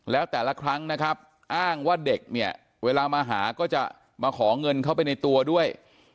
แล้วแต่ละครั้งนะครับอ้างว่าเด็กเนี่ยเวลามาหาก็จะมาขอเงินเข้าไปในตัวด้วย